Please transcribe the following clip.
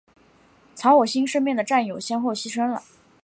曹火星身边的战友先后牺牲了。